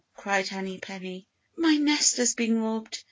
cried Henny Penny, "my nest has been robbed.